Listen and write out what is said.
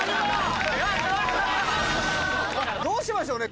どうしましょうね？